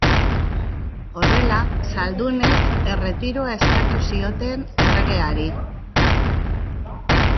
Horrela, zaldunek erretiroa eskatu zioten erregeari.